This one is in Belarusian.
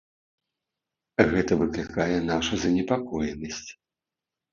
Гэта выклікае нашу занепакоенасць.